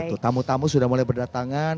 untuk tamu tamu sudah mulai berdatangan